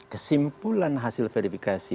kesimpulan hasil verifikasi